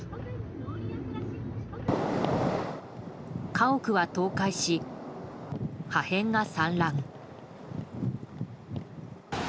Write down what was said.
家屋は倒壊し、破片が散乱。